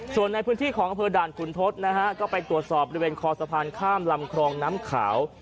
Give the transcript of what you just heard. ส่วนในพื้นที่ของอำเภอด่านขุนทศนะฮะก็ไปตรวจสอบบริเวณคอสะพานข้ามลำคลองน้ำขาว